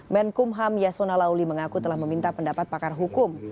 menkumham yasona lauli mengaku telah meminta pendapat pakar hukum